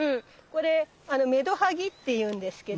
これメドハギっていうんですけど。